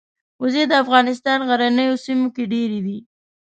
وزې د افغانستان غرنیو سیمو کې ډېرې دي